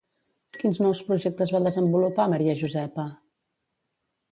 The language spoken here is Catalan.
Quins nous projectes va desenvolupar Maria Josepa?